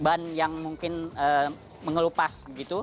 dan yang mungkin mengelupas